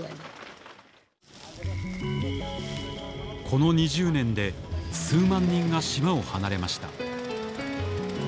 この２０年で数万人が島を離れました。